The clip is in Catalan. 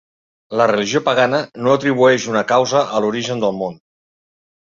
La religió pagana no atribueix una causa a l'origen del món.